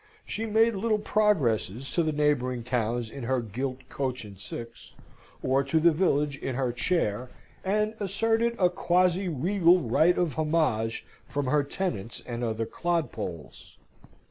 She made little progresses to the neighbouring towns in her gilt coach and six, or to the village in her chair, and asserted a quasi regal right of homage from her tenants and other clodpoles.